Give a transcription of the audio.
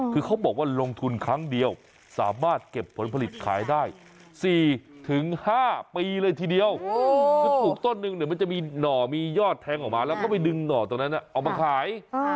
คือเขาบอกว่าลงทุนครั้งเดียวสามารถเก็บผลผลิตขายได้๔๕ปีเลยทีเดียวคือปลูกต้นนึงเนี่ยมันจะมีหน่อมียอดแทงออกมาแล้วก็ไปดึงหน่อตรงนั้นออกมาขาย